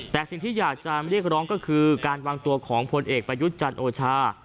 แต่สิ่งที่อยากจะเรียกร้องก็คือการวางตัวของพลเอกประยุทธ์จันทร์โอชา